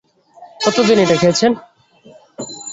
কতদিন এটা খেয়েছেন?